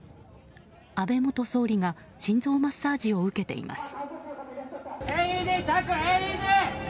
安倍元総理が心臓マッサージを受けています。